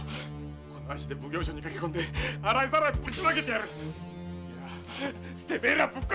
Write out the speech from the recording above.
この足で奉行所にかけ込んで洗いざらいぶちまける！いやてめえらぶっ殺してやる‼